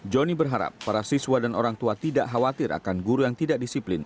joni berharap para siswa dan orang tua tidak khawatir akan guru yang tidak disiplin